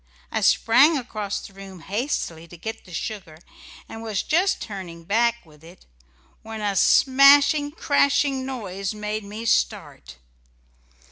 I sprang across the room hastily to get the sugar, and was just turning back with it, when a smashing, crashing noise made me start.